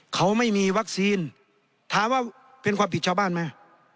เขาไม่มีวัคซีนถามว่าเป็นความผิดชาวบ้านไหม